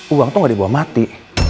uang tuh gak dibawa mati